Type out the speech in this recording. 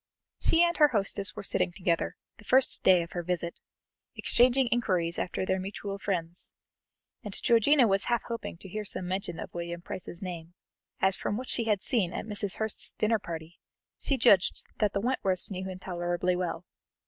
She and her hostess were sitting together, the first day of her visit, exchanging inquiries after their mutual friends, and Georgiana was half hoping to hear some mention of William Price's name, as from what she had seen at Mrs. Hurst's dinner party, she judged that the Wentworths knew him tolerably well.